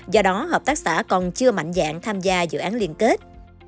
do đó hợp tác xã còn chưa mạnh dạng tham gia dự án liên kết